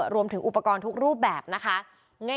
รวมถึงอุปกรณ์ทุกรูปแบบนะคะ